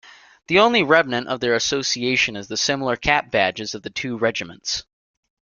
The only remnant of their association is the similar cap-badges of the two Regiments.